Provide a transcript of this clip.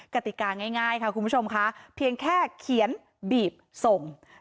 กติกาง่ายค่ะคุณผู้ชมค่ะเพียงแค่เขียนบีบส่ง